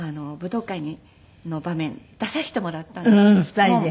２人で。